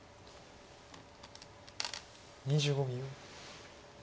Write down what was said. ２５秒。